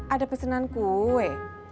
ada pesenan kue